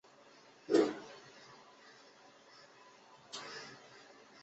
宋朝鄂州诸军都统制孟珙回来援救。